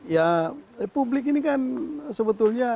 ya publik ini kan sebetulnya